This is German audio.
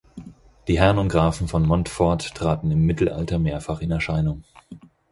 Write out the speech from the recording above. Die Herren und Grafen von Montfort traten im Mittelalter mehrfach in Erscheinung.